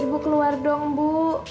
ibu keluar dong bu